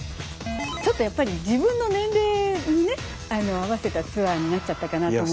ちょっとやっぱり自分の年齢に合わせたツアーになっちゃったかなと。